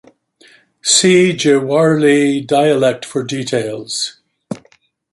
See Jiwarli dialect for details.